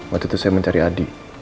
waktu itu saya mencari adik